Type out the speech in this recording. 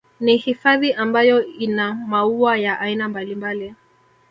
Ni hifadhi ambayo ina maua ya aina mbalimbali